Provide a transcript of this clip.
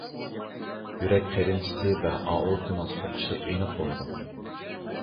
يۈرەك قېرىنچىسى ۋە ئائورتىنىڭ سوقۇشى ئېنىق بولىدۇ.